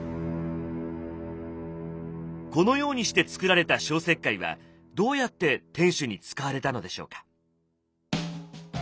このようにして作られた消石灰はどうやって天守に使われたのでしょうか？